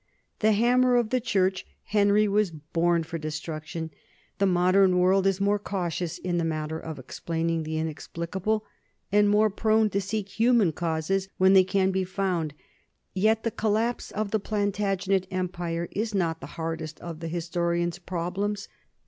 The hammer of the church, Henry was born for destruction. The modern world is more cautious in the matter of ex plaining the inexplicable, and more prone to seek human causes when they can be found, yet the collapse of the Plantagenet empire is not the hardest of the historian's problems.